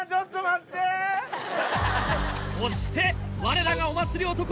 そしてわれらがお祭り男